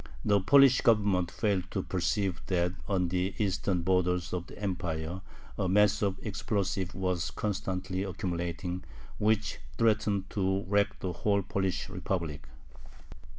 The Polish Government failed to perceive that on the eastern borders of the Empire a mass of explosives was constantly accumulating, which threatened to wreck the whole Polish Republic.